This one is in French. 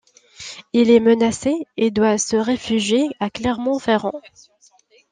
Il est menacé et doit se réfugier à Clermont-Ferrand.